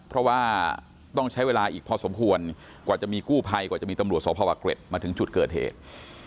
เพราะว่าต้องใช้เวลาอีกพอสมควรกว่าจะมีกู้ภัยกว่าจะมีตำรวจสพวเกร็ดมาถึงจุดเกิดเหตุ